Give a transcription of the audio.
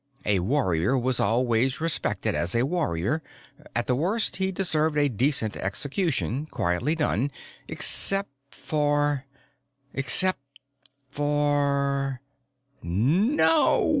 A warrior was always respected as a warrior. At the worst, he deserved a decent execution, quietly done. Except for Except for "_No!